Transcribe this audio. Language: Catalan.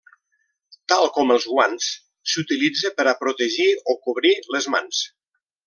Tal com els guants, s'utilitza per a protegir o cobrir les mans.